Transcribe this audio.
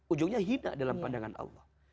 ujungnya hina dalam pandangan allah